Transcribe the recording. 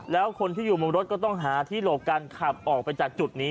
แล้วคนที่อยู่บนรถก็ต้องหาที่หลบกันขับออกไปจากจุดนี้